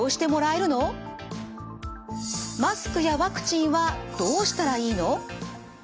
マスクやワクチンはどうしたらいいの？